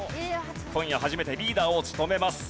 今夜初めてリーダーを務めます。